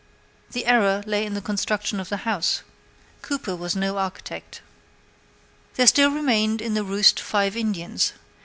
The error lay in the construction of the house. Cooper was no architect. There still remained in the roost five Indians.